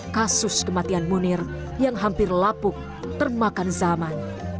kasus kematian munir yang hampir lapuk termakan zaman